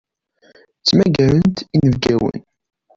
Ttmagarent inebgawen.